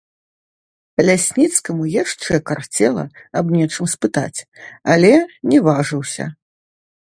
Лясніцкаму яшчэ карцела аб нечым спытаць, але не важыўся.